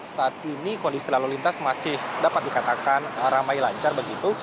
saat ini kondisi lalu lintas masih dapat dikatakan ramai lancar begitu